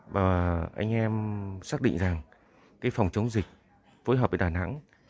và anh em xác định rằng cái phòng chống dịch phối hợp với đà nẵng